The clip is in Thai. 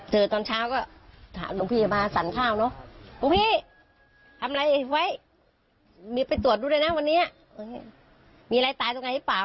เจอตอนเช้าก็หาลุงพี่มาสั่นข้าวเนอะ